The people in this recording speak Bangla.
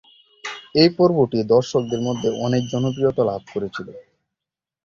এই পর্বটি দর্শকদের মধ্যে অনেক জনপ্রিয়তা লাভ করেছিল।